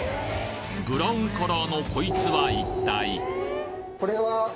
ブラウンカラーのこいつは一体？